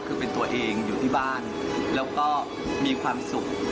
คือเป็นตัวเองอยู่ที่บ้านแล้วก็มีความสุข